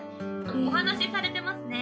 お話しされてますね。